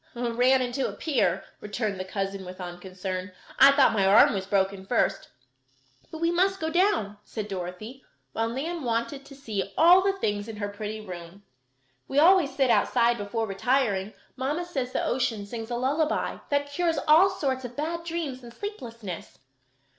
"Ran into a pier," returned the cousin, with unconcern. "I thought my arm was broken first. But we must go down," said Dorothy, while Nan wanted to see all the things in her pretty room. "We always sit outside before retiring. Mamma says the ocean sings a lullaby that cures all sorts of bad dreams and sleeplessness."